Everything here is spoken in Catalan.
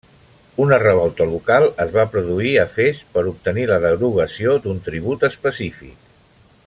Una revolta local es va produir a Fes per obtenir la derogació d'un tribut específic.